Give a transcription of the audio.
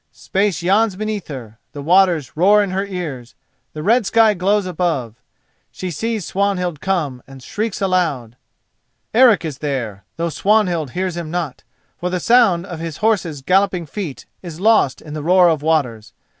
Space yawns beneath her, the waters roar in her ears, the red sky glows above. She sees Swanhild come and shrieks aloud. Eric is there, though Swanhild hears him not, for the sound of his horse's galloping feet is lost in the roar of waters.